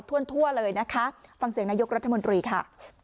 ทั่วเลยนะคะฟังเสียงนายกรัฐมนตรีค่ะ